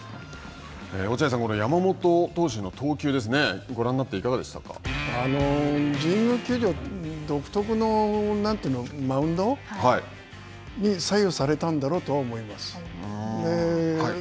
落合さん、山本投手の投球、ご覧になって神宮球場独特のマウンドに左右されたんだろうとは思います。